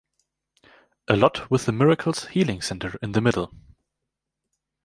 A lot with the Miracles Healing Center in the middle.